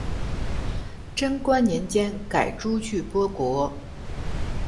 贞观年间改朱俱波国。